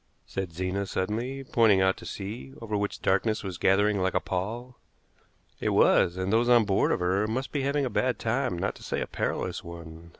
said Zena suddenly, pointing out to sea, over which darkness was gathering like a pall. It was, and those on board of her must be having a bad time, not to say a perilous one.